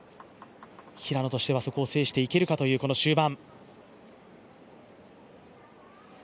平野としてはそこを制していけるかという終盤。